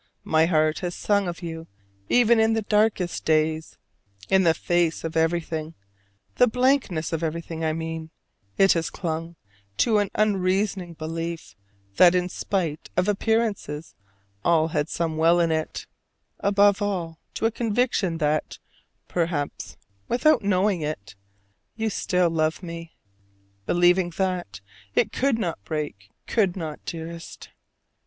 My heart has sung of you even in the darkest days; in the face of everything, the blankness of everything, I mean, it has clung to an unreasoning belief that in spite of appearances all had some well in it, above all to a conviction that perhaps without knowing it you still love me. Believing that, it could not break, could not, dearest.